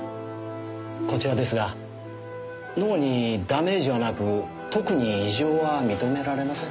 こちらですが脳にダメージはなく特に異常は認められません。